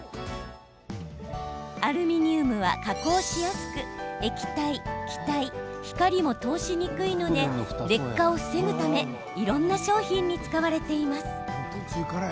アルミニウムは加工しやすく液体、気体、光も通しにくいので劣化を防ぐためいろんな商品に使われています。